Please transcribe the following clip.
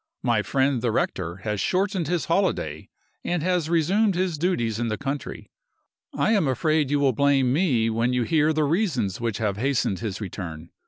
My friend the rector has shortened his holiday, and has resumed his duties in the country. I am afraid you will blame me when you hear of the reasons which have hastened his return.